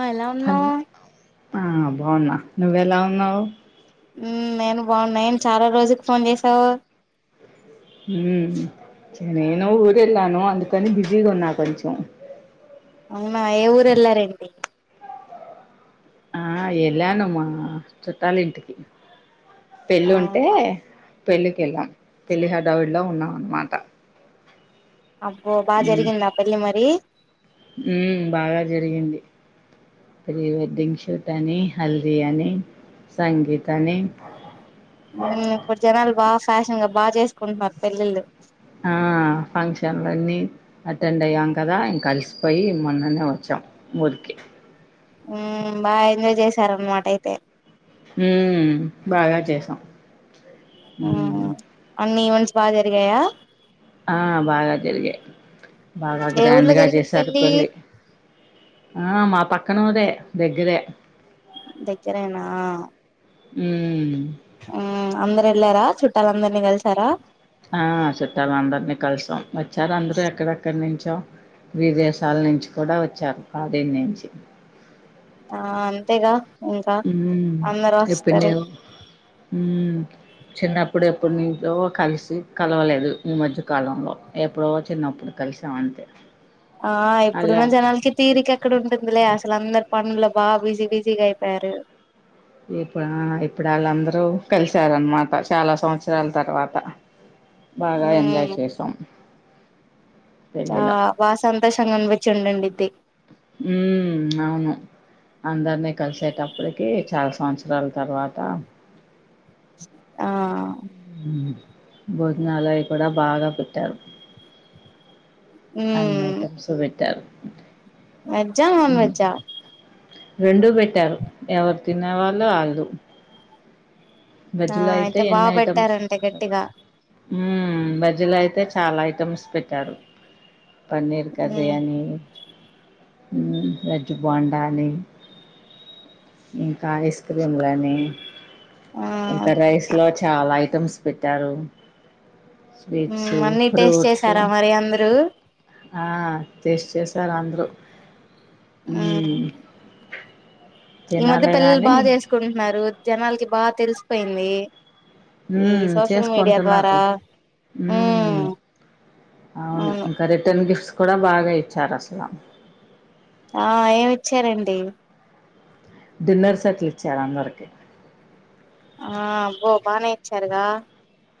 ఆ ఎలా ఉన్నావు హలో ఆ బన్నా నువ ఎలా ఉన్నావు ఉమ్ నేను బాగున్నా ఎమ్ చాలా రోజుకి ఫోన్ చేసావు ఉమ్ నేను ఊరు ఎలానో అంతుకాని బిజీగా ఉన్నా కొంచం అవునా ఏ ఊరెల్లారంటి ఆ వెళ్ళాను మా చుట్టాల ఇంటికి పెళ్ళి ఉంటే ఆహా పెళ్ళికి వెళ్ళాం పెళ్ళి హడావులో ఉన్నాం అన్నమాట అబ్బో బాగా ఉమ్ జరిగిందా ఆ పెళ్లిమరి ఉమ్ బాగా జరిగింది ప్రీ వెడ్డింగ్ షూట్ అన్ని హల్దియాని సంగీతాన్ని ఉమ్ అప్పుడు జనాలు వ ఫ్యాషన్ గా బాగా చేసుకుంటున్నారు పెళ్ళిళ్ళు ఆ ఫంక్షన్లన్నీ అటెండ్ అయ్యా కదా ఇంకా అలసిపోయి మొన్న మొన్ననే వచ్చాం ఊరికి ఉ బాగా ఎంజాయ్ చేసారన్న మాట అయితే హు బాగా చేసాం ఉ ఉమ్ అన్నీ వ బాగా జరిగాయా ఆ బాగా జరిగాయి బాగా ఏ గ్రాండ్ ఊర్లో గా జరిగింది చేసారు. పెళ్ళి ఆ మా పక్కన ఊరే దగ్గరే దగ్గరే న హ్ అందరు వెళ్ళారా చుట్టాలందరినీ కలిసారా ఆ చుట్టాలు అందరినీ కలిసాం. బ చ్చారా అందరూ ఎక్కడక్కడ నుంచి హలో విదేశాల నుంచి కూడా వచ్చారు. కాది నుంచి ఆ అంతేగా ఇంకా ఉమ్ అందరూ వస్తారు. ఉ చిన్నప్పుడు ఎప్పుడు నీతో కలిసి కలవలేదు ఈ మధ్యకాలంలో ఎప్పుడో చిన్నప్పుడు కలిసామంతే ఆ ఇప్పుడు జనాలకి తీరిక ఎక్కడ ఉంటుందిలే ఆ అందరు పనుల్లో బాగా బిజీ బిజీగా అయిపోయారు. ఇప్పుడు ఇప్పుడు ఆళ్ళందరూ కలిసారన్నమాట చాలా సంవత్సరాల తర్వాత బాగా ఎంజాయ్ చేసాం. ఆ పెళ్ళిలో వాసం దేశం కనిపిచ్చి ఉండి ఉండిద్ది ఊ అవును అందరినీ కలిసేటప్పటికి చాలా సంవత్సరాల తర్వాత ఆ భోజనాలు అయ్యికూడా బాగా పెట్టారు. అన్ని ఐటమ్స్ పెట్టారు. వెజ్జ ఆ ఉమ్. నాన్వెజ్జ ఆ రెండూ పెట్టారు ఎవరు తిన్నేవాళ్ళు ఆళ్ళు ఆ వెజ్జులో అయితే ఎన్నీ బాగా ఐటమ్స్ పెట్టారంటే గట్టిగా హ్ వెజ్జులో అయితే చాలా ఐటమ్స్ పెట్టారు. పన్నిర్ కర్రీ ఉమ్ అని హ్ వెజ్జు బొండా అని ఇంకా ఐస్ క్రీమ్ గానీ ఆ ఇంకా రైస్ లో చాలా ఐటమ్స్ పేట్టారు అన్ని టేస్ట్ చేసారా మరి అందరూ ఆ టేస్ట్ చేసారు అందరూ ఉమ్మ్ మ్మ్ ఈ మధ్య తినాలే పిల్లలు గాని బాగా చేసుకుంటున్నారు జనాలకి బాగా తెలిసిపోయింది ఈ ఉమ్మ్ సోషల్ మీడియా చేసుకుంటున్నాకు ద్వారా ఉమ్ ఉమ్మ్ అవును ఇంక రిటర్న్ గిఫ్ట్స్ కూడా బాగా ఇచ్చారు అసల ఆ ఏమి ఇచ్చారేంటి డిన్నర్ సెట్ లిచ్చారు అందరికీ ఆ అబ్బో బానే ఇచ్చారుగా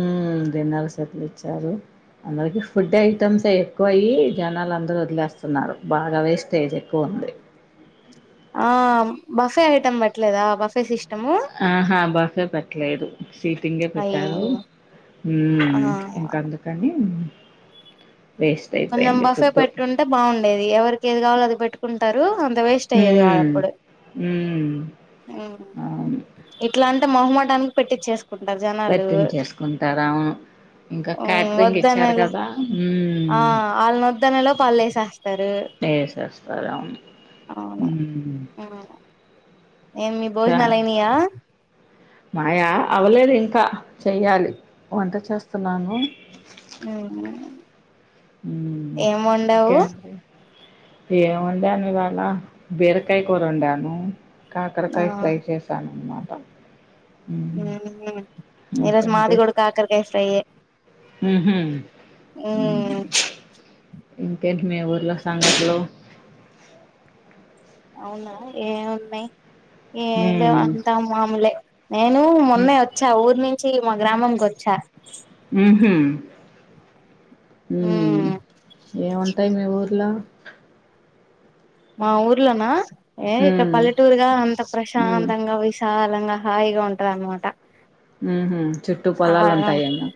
ఉమ్మ్ డిన్నర్ సెట్లు ఇచ్చారు అందరికి ఫుడ్ ఐటమ్సే ఎక్కువ అయ్యి జనాలు అందరు వదిలేస్తున్నారు బాగా వేస్టేజ్ ఎక్కువుంది ఆ బఫే ఐటమ్ పెట్టలేదా బఫ్ పెసిష్ ఆహా బఫే పెట్టలేదు సీటింగే పెట్టారు అయ్యయ్యో ఆ మ్మ్ ఇంక అందుకని వేస్ట్ కొంచెం అయిపోయింది బఫే ఫుడ్డు పెట్టుంటే బావుండేది ఎవరికి ఏది కావాలో అది పెట్టుకున్ టారూ అన్ తే వేస్ట్ అయ్యేది కాదు ఉమ్ అప్పుడు ఉమ్ ఉమ్ అవును ఇట్లా అంటే మొహమాటాని పెట్టిచ్చేస్ పెట్టించేసుకుంటారు అవును ఇంకా క్యాటరింగ్ ఇచ్చారు వద్దనేలో కదా ఉమ్మ్ ఆ ఆళ్ళనొద్దనేలోపు ఆళ్ళేసేస్తారు వేసేస్తారు అవును అవును ఉమ్ ఉమ్మ్ ఏం మీ ఇంకా భోజనాలుయినాయా మాయా అవ్వలేదు ఇంకా చెయ్యాలి వంట చేస్ సునాను ఉమ్ ఏం వండావు ఇంకేంటి ఏం వండాను ఇవాళ బీరకాయ కూరొండాను అ ఆ కాకరకాయ ఫ్రై చేశాను [inaudible] [unintelligible] [unintelligible] ఈరోజు మాది కూడా కాకరకాయ ఫ్రై యే ఊహూ ఇంకేన్ మీ ఊర్లో సంగతులు అవునా ఏమున్నాయి ఏం లేవు ఉమ్ అంతా మామూలే నేను మొన్నే వచ్చా ఊరిని వచ్చి మా గ్రామంకి వచ్చా ఉహు ఉమ్ ఏముంటాయి మీ ఊర్లో మా ఊరిలో నా ఏ ఇక ఉమ్ పల్లెటూరుగా అంత ఉమ్ ప్రశాంతంగా విశాల శుభ్రంగా హాయిగా ఉంటద అన్నమాట ఉ చుట్టు పొలాలు ఉంటాయన్న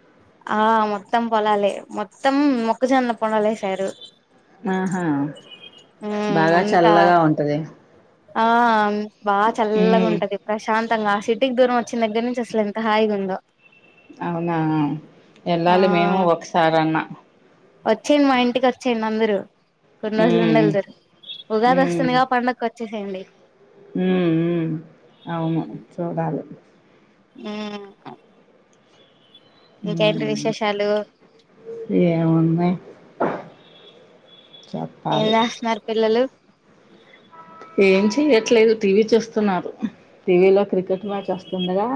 ఆ మొత్తం పోలాలే మొత్తం మొక్క జొన్న పొలాలు వేశారు ఆహా బాగా అంతా చల్లగా ఉంటది ఆ బాగా చల్లగా ఉమ్ ఉంటది ప్రశాంత మొత్తంగా ఆ సిటీకి దూరం వచ్చిన దగ్గర నుంచి అసల ఎంత హాయిగా ఉందో అవునా ఆ వెళ్ళాలి మేము ఒకసారి అన్నా వచ్చేయండి మా ఇంటికి వచ్చేయండి అందరూ కొన్ని రోజులు హ ఉండెల్దురు ఉగాది వస్తుందిగా పండక్కి వచ్చేసేయండి అవును చూడదు ఆ ఏమున్నాయ్ ఏం చేస్తున్నారు పిల్లలు ఏం చేయట్లేదు టీవీ చూస్తున్నారు టీవీలో క్రికెట్ సినిమా వస్తుందిగా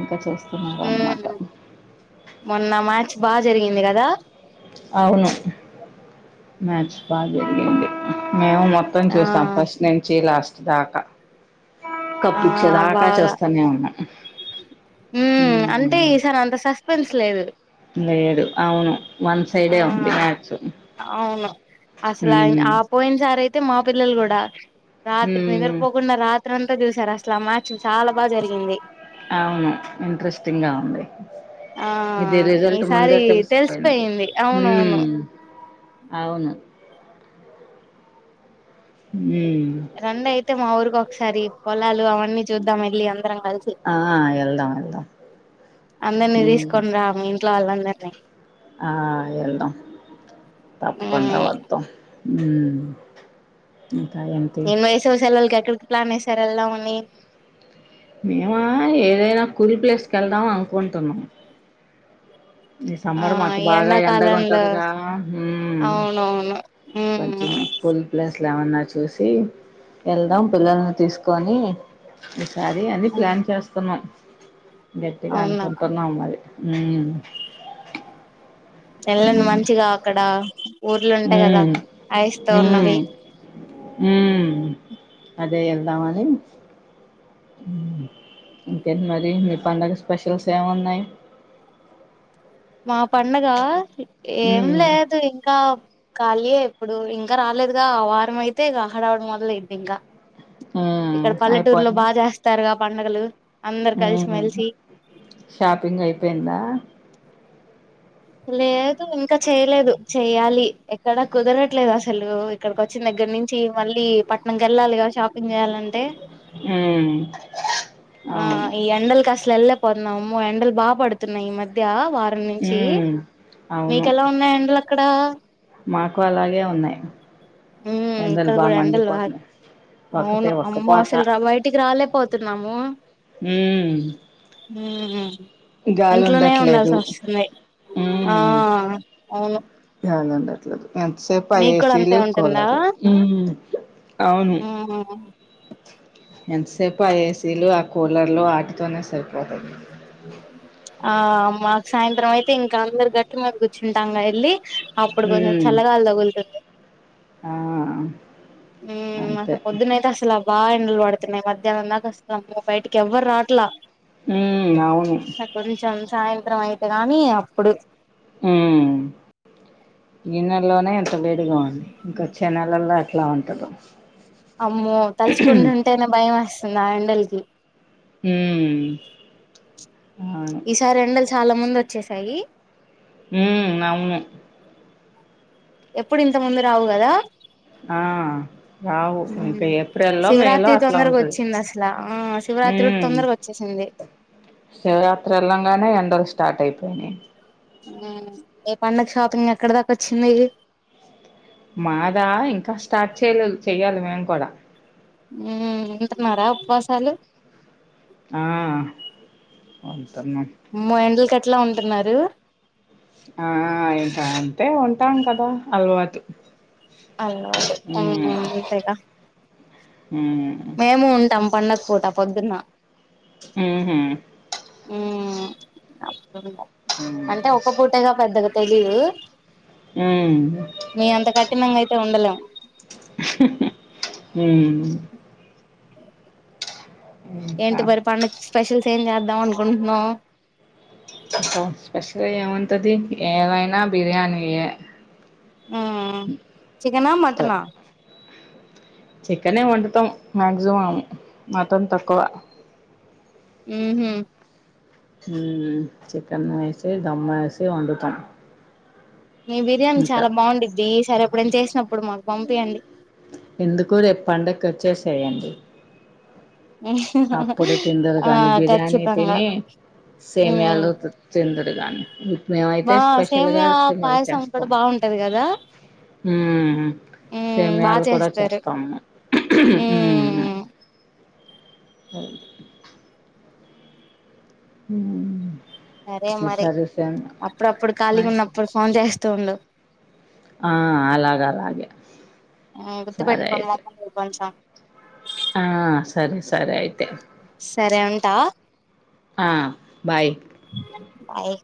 ఇంకా చేస్తున్నారు అన్నమాట ఉమ్ మొన్న మ్యాచ్ బాగా జరిగింది కదా అవును మ్యాచ్ బాగా జరిగింది మేము మొత్తం ఆ చూస్తాం ఫస్ట్ నుంచి లాస్ట్ రాకా ఆ కప్పిచ్చేదాకా చేస్తానే ఉన్నా హ్మ్ అంటే ఈసారి అంత సస్పెన్స్ లేదు లేదు అవును వన్ ఆ సైడే ఉంది మ్యాచ్ అవును అసలు ఉమ్, ఆ పోయిన్ సారయితే తే మా పిల్లలు గూడా రాత్రికి ఉమ్, నిదర్పోకుండా రాత్రి అంత క్క చూసారు అసలు ఆ మ్యాచ్ చాలా బాగా జరిగింది అవును ఇంట్రెస్టింగా ఉంది. ఆ ఇది రిజల్ట్ ఈసారీ ముందే తెలిసిపోయింది తెల్సిపెయింది అవునవును. ఉమ్, అవును. ఉమ్, రండైతె మా ఊరికో సరీ పొలాలు అవన్నీ చూద్దాం ఎల్లి అందరం. కలిసి ఆ యెల్దాం ఎల్దాం అందరినీ హ్మ్ తీసుకొని రా మీ ఇంట్లో వాళ్ళందరినీ ఆ యెల్దాం తప్పుకుండ ఉమ్ వత్తం. హ్మ్మ్ ఈ మైసవి సెలవులకి ఎక్కడి ప్లానేసారు ఎల్దావని. కుల్ ప్లేస్ కెల్దాం అనుకుంటున్నాం. ఈ ఆ సమ్మర్ మాకు ఈ బాగా ఎండగ ఎండాకాలంలో ఉంటదిగా హ్మ్ అవునవును కొంచెం ఉమ్ కూల్ ప్లేస్ ట్లేవన్నా చూసీ. ఎల్దాం పిల్లల్ని తీస్క్ కొనీ. ఈసారి అది ప్లాన్ చేస్తున్నాం. గట్టిగా అవునా అనుకుంటున్నాం మరి. హ్మ్మ్ ఎల్లండి మంచిగా అక్కడ ఊర్లు ఉంటాయి కదా హ్మ్ ఐస్ తో ఉన్నవి హ్మ్ హ్మ్మ్ అదే ఎల్దావనీ. హ్మ్ ఇకేంటి మరి మీ పండగ స్పెషల్స్ ఏవున్నాయి? మా పండగా ఉమ్ ఏంలేదు ఇంకా ఖాలీయే. ఇప్పుడూ ఇంకా రాలేదుగా, వారం అయితే ఇగ హడావుడి మొదలైద్ది ఇంక. ఉమ్ ఇక్కడ పల్లెటూర్లో బా జేస్తారుగా పం నగలూ హ్మ్ షాపింగ్ అయిపోయిందా? లేదు ఇంకా చేయలేదు చెయ్యాలి, ఎక్కడా కుదరట్లేదు అసలూ ఇక్కడికొచ్చిం దగ్గర నించీ మల్లీ పట్నం కెల్లాలి గద షాపింగ్ చెయాలంటే. హ్మ్మ్ ఆ ఈ ఎండలకి అసలెల్ల పొన్నాము ఎండలు బా పడుతున్నాయి ఈ మధ్యా. వారం నించీ, ఉమ్ అవును మీకెలా ఉన్నాయి ఎండల క్కడా మాకు అలాగే ఉన్నాయి ఉమ్ ఎందలు ఇక్కడ బాగా కూడా ఎండలు మండిపోతున్నాయి ఒకటే అవును ఒక్క అమ్మో పోత అసలు రా బయటికి రాలేపోతున్నాము అ హ ఇంట్లోనే ఉండాల్సి వస్తుంది ఆ ఉమ్ అవును ఎట్లదు మీకు కూడా మనసేఏసీలు అంతే ఉంటుందా ఇక్కాలాల అవును ఉమ్ ఎంతసేపు ఆ ఏసీలు ఆ కూలర్లు ఆటితోనే సరిపోతుాంది ఆ మాకు సాయంత్రం అయితే ఇంకా అందరు గట్టి మేము కూర్చుంటాంగా వెళ్ళి అప్పుడు కొంచెం ఉమ్ చల్లగాలు తగులుతుంది ఆ అ అంతే పొద్దున్నా అలుభ బా ఎండలు పడుతున్నాయి మధ్యాహ్నంందాక వస్తము బయటికి ఎవ్వరు రాట్లా హమ్ అవును కొంచెం సాయంత్రం అయితే గానీ అప్పుడు హమ్ నెలోనే ఇంత వేడిగా అండి ఇంకొ వచ్చే నెలల్లో అట్లా ఉంటదు అమ్మో తల్సుకం ఉంటేనా భయం వస్త గాండలకి హ ఈసారి ఎండ చాలా మంది వచ్చేసాయి హమ్ అవును ఎప్పుడూ ఇంత ముందు రావు కదా ఆ రావు ఇంకా ఉమ్ ఏప్రిల్లో మే లో శివరాత్రి అట్లా తొందరగా ఉంటది వచ్చింది అసలు ఆ ఊ శివరాత్రి కూడా తొందరగా వచ్చేసింది శివరాత్రి వెళ్ళంగానే ఎండలు స్టార్ట్ ఐ పోనే ఊ ఏ పండగ షాపింగ్ ఎక్కడ దాక వచ్చింది మాదా ఇంకా స్టార్ట్ చెయ్యలేదు చెయ్యాలి మేము కూడా ఊ ఉంటున్నారా ఉపవాస్ హలో ఆ ఔను మ్మో ఎండలు కట్ ట్లా ఉంటున్నారు ఆ ఇంక అంతే ఉంటాం కదా అలవాటు అలవాటు హ్మ్. అవునవును అంతేగా హ్మ్. మేమూ ఉంటాం పండక్ పూట పొద్దున్న ఊహూ ఉమ్ అంటే ఒక్క పూటేగా పెద్దగా తెలిదు హ్మ్. మీ అంత కఠినంగా అయి టే ఉండలేం హ ఇంకా ఏంటి పరి ప స్పెషల్ సేంజ అ లామనుకుంటన్నా స్పెషల్ గా ఏముంటది ఏదైనా బిర్యానీ చికెనా మటనా సరే చికెనే వండుతాం మాక్సిమమ్ మతం తక్కువ ఆ హ చికెన్ వేసి దమ్ వేసి వంతం మీ బిర్యానీ చాలా బాగుంద్ది ఈ సరే ఇప్పుడు ఏం చేసినప్పుడు మాకు పంపియండి ఎందుకరు ఎప్పండక్క వచ్చ చేయండి అప్పుడు తిందరు ఆ కానీ బిర్యానీ ఖచ్చితంగా తిని ఉమ్ సేమయాలు తిందరు కానీ మేమైతే బా స్పెషల్గా సేమియా సేమలు పాయసం కూడా చేస్తాము బాగుంటది కదా ఉమ్ బాగా సేమయాలు కూడా చేస్తారు చేస్తాము ఉమ్ ఆ హ సరే మరి అప్పుడప్పుడు ఖాళీగా వాయిస్ ఉన్నప్పుడు ఫోన్ చేస్తూండు ఆ అలాగ అలాగే గుర్తు సరే పెట్టుకోం అయితే మమ్మ కొంచెం ఆ సరే సరే అయితే సరే ఉంటా ఆ బాయ్ బాయ్